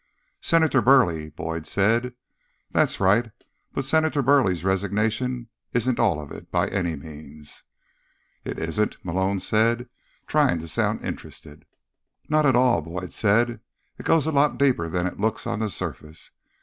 "Senator Burley," Boyd said. "That's right. But Senator Burley's resignation isn't all of it, by any means." "It isn't?" Malone said, trying to sound interested. "Not at all," Boyd said. "It goes a lot deeper than it looks on the surface.